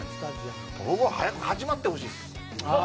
僕は早く始まってほしいです。